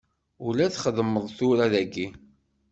Ula txedmeḍ tura dagi.